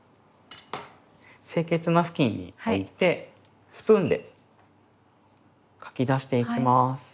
清潔なふきんに置いてスプーンでかき出していきます。